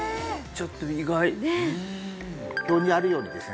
ちょっと意外ねえ表にあるようにですね